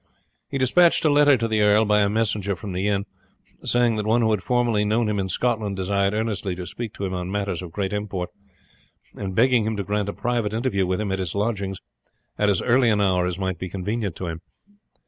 He despatched a letter to the earl by a messenger from the inn, saying that one who had formerly known him in Scotland desired earnestly to speak to him on matters of great import, and begging him to grant a private interview with him at his lodging at as early an hour as might be convenient to him.